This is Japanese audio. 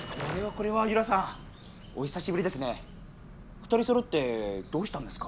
２人そろってどうしたんですか？